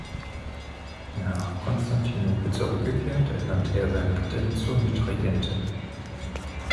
Nach Konstantinopel zurückgekehrt, ernannte er seine Gattin zur Mitregentin.